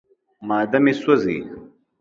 معده مې سوځي.